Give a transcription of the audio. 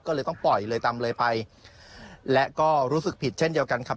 ก็เลยต้องปล่อยเลยตามเลยไปและก็รู้สึกผิดเช่นเดียวกันครับ